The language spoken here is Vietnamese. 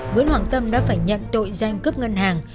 nguyễn hoàng tâm đã phải nhận tội danh cướp ngân hàng